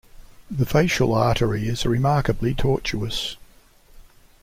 The facial artery is remarkably tortuous.